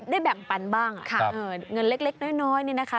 แบ่งปันบ้างเงินเล็กน้อยนี่นะคะ